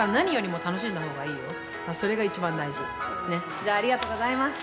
じゃあありがとうございました！